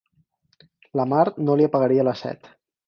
La mar no li apagaria la set.